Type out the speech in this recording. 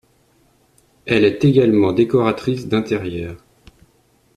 Elle est également décoratrice d'intérieur.